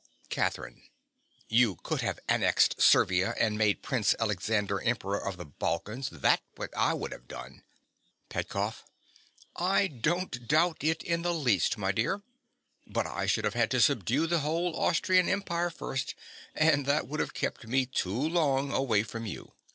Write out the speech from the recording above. CATHERINE. You could have annexed Servia and made Prince Alexander Emperor of the Balkans. That's what I would have done. PETKOFF. I don't doubt it in the least, my dear. But I should have had to subdue the whole Austrian Empire first; and that would have kept me too long away from you.